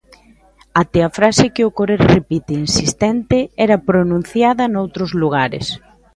Até a frase que o coro repite insistente era pronunciada noutros lugares.